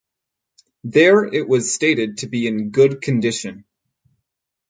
There it was stated to be "in good condition".